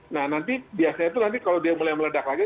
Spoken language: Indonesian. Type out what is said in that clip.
nah nanti biasanya itu nanti kalau dia mulai meledak lagi